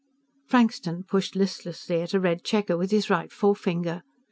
_ Frankston pushed listlessly at a red checker with his right forefinger.